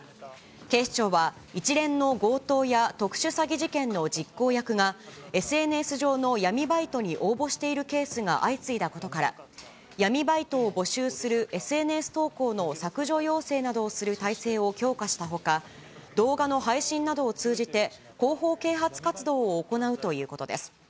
警視庁は、一連の強盗や特殊詐欺事件の実行役が、ＳＮＳ上の闇バイトに応募しているケースが相次いだことから、闇バイトを募集するＳＮＳ投稿の削除要請などをする態勢を強化したほか、動画の配信などを通じて、広報啓発活動を行うということです。